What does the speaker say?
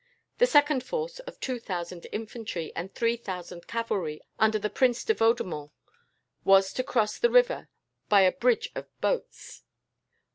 The second force, of two thousand infantry and three thousand cavalry, under the Prince de Vaudemont, was to cross the river by a bridge of boats.